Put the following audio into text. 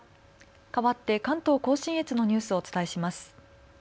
かわって関東甲信越のニュースをお伝えします。